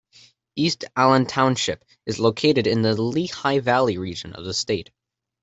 East Allen Township is located in the Lehigh Valley region of the state.